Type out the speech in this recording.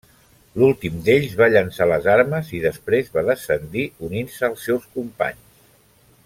L'últim d'ells va llançar les armes i després va descendir unint-se als seus companys.